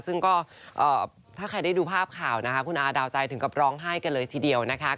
ซึ่งก็ถ้าใครได้ดูภาพข่าวนะคะคุณอาดาวใจถึงกับร้องไห้กันเลยทีเดียวนะคะ